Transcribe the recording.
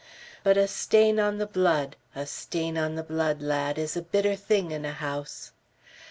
But a stain on the blood, a stain on the blood, lad, is a bitter thing in a house.